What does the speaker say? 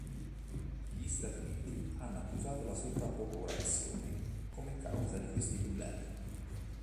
Gli Stati Uniti hanno accusato la sovrappopolazione come causa di questi problemi.